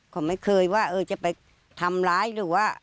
เขาไม่เคยว่าจะไปทำร้ายหรือว่า